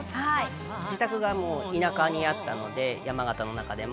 自宅が田舎にあったので山形の中でも。